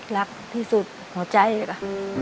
รักที่สุดขอใจเลยค่ะ